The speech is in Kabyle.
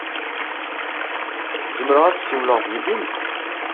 Zemreɣ ad ssiwleɣ d yelli-m?